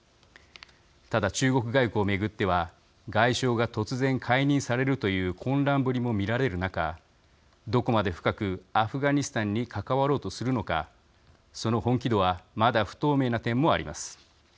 ただ、中国外交を巡っては外相が突然、解任されるという混乱ぶりも見られる中どこまで深くアフガニスタンに関わろうとするのかその本気度はまだ不透明な点もあります。